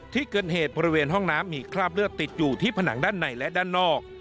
ที่เกิดเหตุบริเวณห้องน้ำมีคราบเลือดติดอยู่ที่ผนังด้านในและด้านนอก